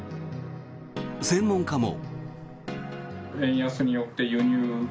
専門家も。